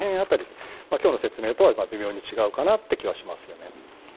今日の説明とは微妙に違うかなという気はしますね。